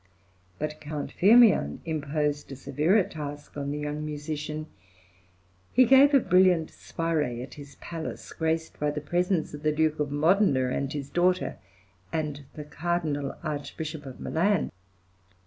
But Count Firmian imposed a severer task on the young musician. He gave a brilliant soirée at his Palace, graced by the presence of the Duke of Modena and his daughter, and the Cardinal Archbishop of Milan.